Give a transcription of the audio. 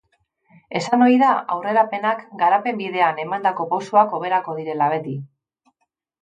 Esan ohi da aurrerapenak, garapen bidean emandako pausoak hoberako direla beti.